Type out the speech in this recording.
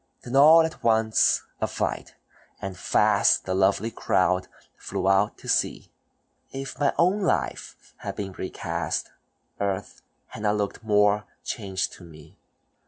Then all at once a flight, and fast The lovely crowd flew out to sea; If mine own life had been recast, Earth had not looked more changed to me.